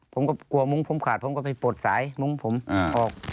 ผมก็กลัวมุ้งผมขาดผมก็ไปปลดสายมุ้งผมออก